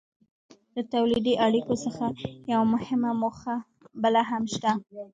له تولیدي اړیکو څخه یوه مهمه موخه بله هم شته.